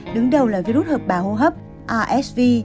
đứng đầu là virus hợp bào hô hấp rsv